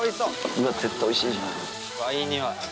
うわ絶対おいしいじゃん。